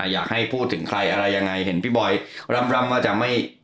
อยากให้พูดถึงใครอะไรยังไงเห็นพี่บอยรำว่าจะไม่